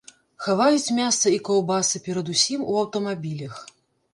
Хаваюць мяса і каўбасы, перадусім, у аўтамабілях.